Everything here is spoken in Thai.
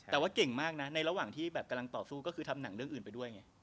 แต่ว่าเก่งมากนะในระหว่างที่แบบกำลังต่อสู้ก็คือทำหนังเรื่องอื่นไปด้วยไง